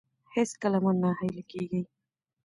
هیڅکله مه نه هیلي کیږئ.